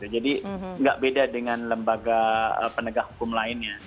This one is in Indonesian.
jadi gak beda dengan lembaga penegak hukum lainnya